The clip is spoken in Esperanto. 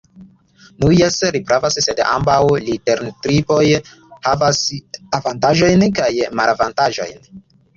Nu jes, li pravas; sed ambaŭ litertipoj havas avantaĝojn kaj malavantaĝojn.